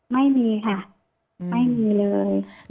ไม่มีค่ะไม่มีเลย